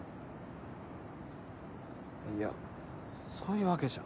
いやそういうわけじゃ。